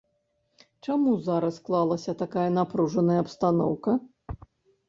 Чаму зараз склалася такая напружаная абстаноўка?